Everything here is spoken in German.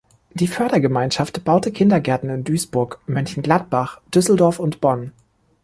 Die Fördergemeinschaft baute Kindergärten in Duisburg, Mönchengladbach, Düsseldorf und Bonn.